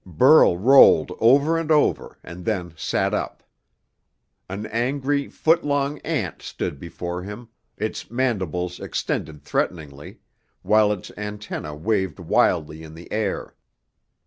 Burl rolled over and over, and then sat up. An angry, foot long ant stood before him, its mandibles extended threateningly, while its antennae waved wildly in the air.